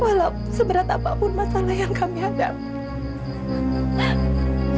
walau seberat apapun masalah yang kami hadapi